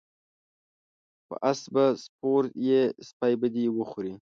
په اس به سپور یی سپی به دی وخوري